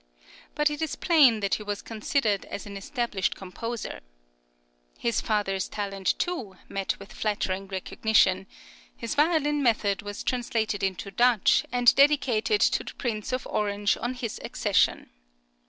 But it is plain that he was considered as an established composer. His father's talent, too, met with flattering recognition; his Violin Method was translated into Dutch, and dedicated to the Prince of Orange on his accession.